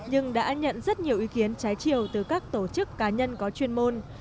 nhưng đã nhận rất nhiều ý kiến trái chiều từ các tổ chức cá nhân có chuyên môn